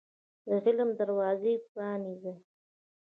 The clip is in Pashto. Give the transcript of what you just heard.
د علم دروازي پرانيزۍ